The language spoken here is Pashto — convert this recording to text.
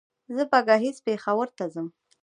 زه به ګهيځ پېښور ته ځم